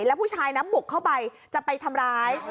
แล้วผู้ชายนะบุกเข้าไปจะไปทำร้าย